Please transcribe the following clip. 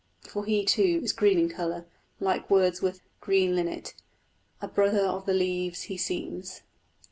For he, too, is green in colour; like Wordsworth's green linnet, A brother of the leaves he seems.